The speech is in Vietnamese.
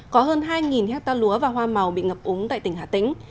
có hơn hai hectare lúa và hoa màu bị ngập úng tại tỉnh hà tĩnh